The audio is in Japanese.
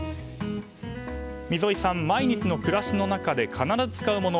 溝井さん、毎日の暮らしの中で必ず使うもの